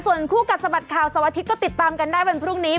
ส่วนคู่กัดสะบัดข่าวเสาร์อาทิตย์ก็ติดตามกันได้วันพรุ่งนี้